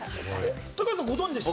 高橋さん、ご存じでした？